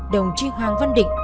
đồng chí hoàng văn định